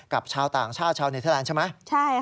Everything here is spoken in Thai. กับชาวต่างชาติชาวนิทยาลังก์ใช่ไหม